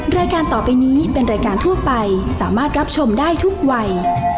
รายการต่อไปนี้เป็นรายการทั่วไปสามารถรับชมได้ทุกวัย